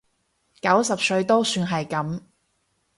九十歲都算係噉